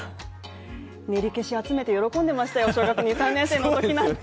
練り消しを集めて喜んでましたよ小学校３年生の時なんて。